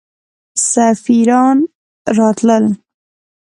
سفیران راتلل.